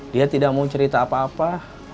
dia tidak mau cerita apa apa